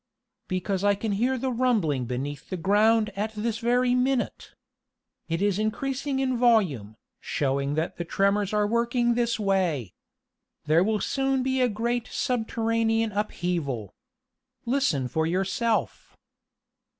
"Because I can hear the rumbling beneath the ground at this very minute. It is increasing in volume, showing that the tremors are working this way. There will soon be a great subterranean upheaval! Listen for yourself."